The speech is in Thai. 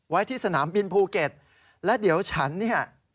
ที่สนามบินภูเก็ตและเดี๋ยวฉันเนี่ย